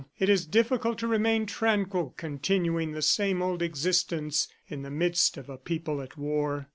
It is difficult to remain tranquil, continuing the same old existence in the midst of a people at war."